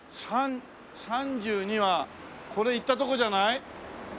３２はこれ行ったとこじゃない？